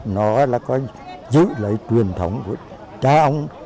nó là coi như giữ lại truyền thống